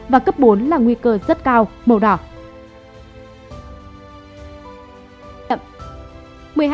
và cấp bốn là nguy cơ rất cao màu đỏ